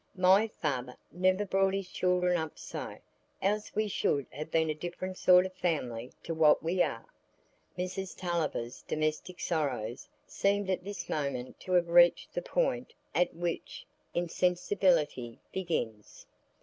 My father never brought his children up so, else we should ha' been a different sort o' family to what we are." Mrs Tulliver's domestic sorrows seemed at this moment to have reached the point at which insensibility begins.